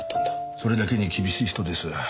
それだけに厳しい人です。